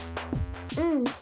うん。